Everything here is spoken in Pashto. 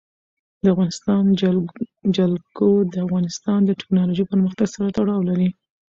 د افغانستان جلکو د افغانستان د تکنالوژۍ پرمختګ سره تړاو لري.